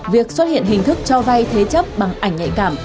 việc xuất hiện hình thức cho vay thế chấp bằng ảnh nhạy cảm